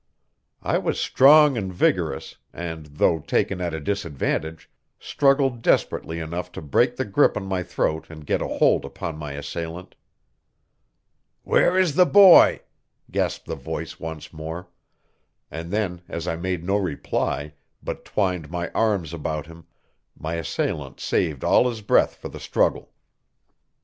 I was strong and vigorous, and, though taken at a disadvantage, struggled desperately enough to break the grip on my throat and get a hold upon my assailant. "Where is the boy?" gasped the voice once more; and then, as I made no reply, but twined my arms about him, my assailant saved all his breath for the struggle.